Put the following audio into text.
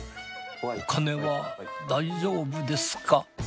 お金は大丈夫ですか？